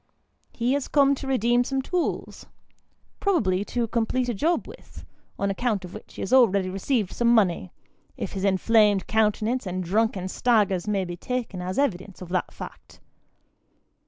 He has come to redeem some tools : probably to complete a job with, on account of which he has already received some money, if his inflamed countenance and drunken stagger, may be taken as evidence of the fact.